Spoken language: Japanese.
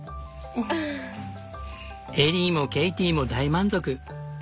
エリーもケイティも大満足。